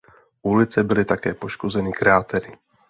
Ulice byly také poškozeny krátery.